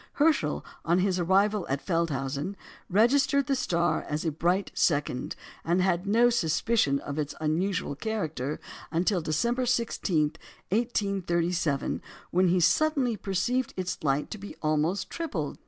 Herschel, on his arrival at Feldhausen, registered the star as a bright second, and had no suspicion of its unusual character until December 16, 1837, when he suddenly perceived its light to be almost tripled.